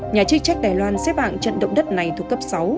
nhà chức trách đài loan xếp hạng trận động đất này thuộc cấp sáu